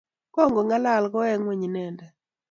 Kong'alal kowek keny inendet .